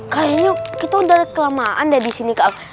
kayanya kita udah kelamaan dari sini kak